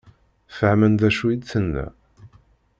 Fehment d acu i d-tenna?